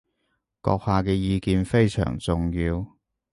閣下嘅意見非常重要